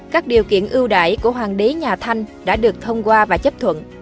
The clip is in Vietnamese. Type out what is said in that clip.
các điều kiện ưu đại của hoàng đế nhà thanh đã được thông qua và chấp thuận